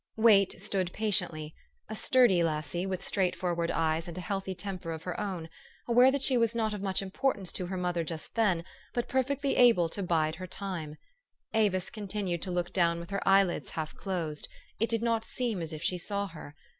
Wait stood patiently a sturdy lassie, with straight forward e}^es and a healthy temper of her own aware that she was not of much importance to her mother just then, but perfectly able to bide her time. Avis THE STORY OF AVIS. 447 continued to look down with her ej'elids half closed ; it did not seem as if she saw her.